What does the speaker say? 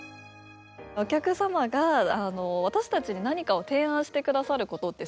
お客様が私たちに何かを提案してくださることってすごく多くって。